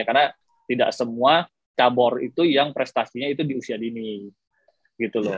karena tidak semua cabor itu yang prestasinya itu di usia dini gitu loh